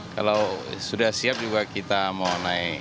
kalau sudah siap juga kita mau naik